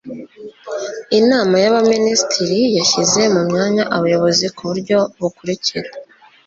inama y'abaminisitiri yashyize mu myanya abayobozi ku buryo bukurikira